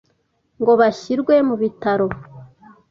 ngo bashyirwe mu bitaro,